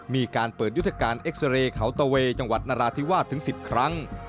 มีการเปิดยุทธการเอ็กซาเรย์เขาตะเวย์จังหวัดนราธิวาสถึง๑๐ครั้ง